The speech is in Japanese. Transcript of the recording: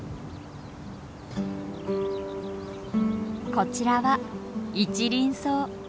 こちらはイチリンソウ。